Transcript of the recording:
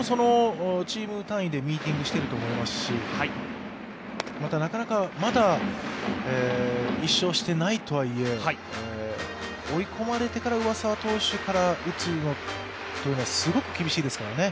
チーム単位でミーティングしていると思いますしまた、なかなか、まだ１勝していないとはいえ、追い込まれてから上沢投手から打つというのはすごく厳しいですからね。